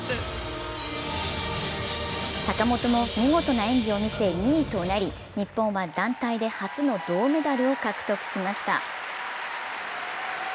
坂本も見事な演技を見せ、２位となり、日本は団体で初の銅メダルを獲得しました。